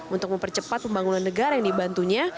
untuk mempercepat pembangunan negara yang dibantunya